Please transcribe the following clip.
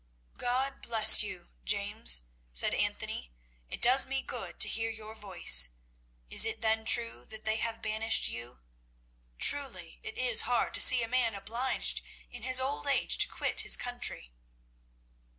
"God bless you, James," said Anthony. "It does me good to hear your voice. Is it then true that they have banished you? Truly it is hard to see a man obliged, in his old age, to quit his country."